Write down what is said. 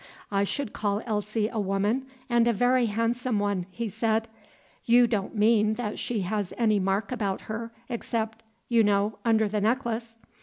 "I should call Elsie a woman, and a very handsome one," he said. "You don't mean that she has any mark about her, except you know under the necklace?"